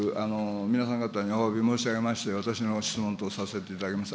皆さん方におわび申し上げまして、私の質問とさせていただきます。